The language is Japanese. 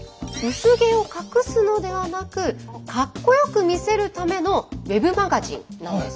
薄毛を隠すのではなくかっこよく見せるためのウェブマガジンなんです。